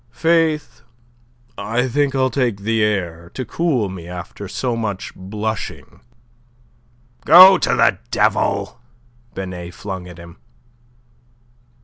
"Faith, I think I'll take the air to cool me after so much blushing." "Go to the devil," Binet flung at him.